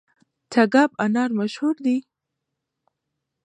تګاب انار مشهور دي؟